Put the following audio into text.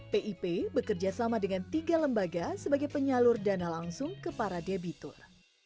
pip bekerja sama dengan tiga lembaga sebagai penyalur dana langsung ke para debitur